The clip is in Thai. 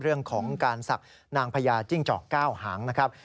เรื่องของการศักดิ์นางพญาจิ้งจอก๙หางนะครับ